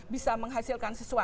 bisa menghasilkan sesuatu